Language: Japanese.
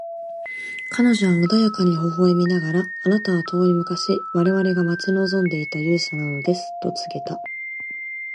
彼女は穏やかに微笑みながら、「あなたは遠い昔、我々が待ち望んでいた勇者なのです」と告げた。